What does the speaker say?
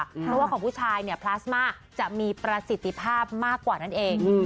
เพราะว่าของผู้ชายเนี่ยพลาสมาจะมีประสิทธิภาพมากกว่านั่นเอง